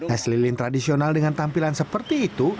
es lilin tradisional dengan tampilan seperti itu